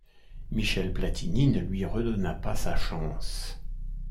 Michel Platini ne lui redonna pas sa chance.